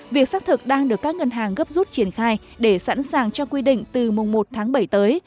việc xác thực đang được các ngân hàng gấp rút triển khai để sẵn sàng cho quy định từ mùng một tháng bảy tới